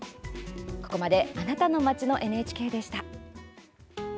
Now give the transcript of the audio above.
ここまで「あなたの街のＮＨＫ」でした。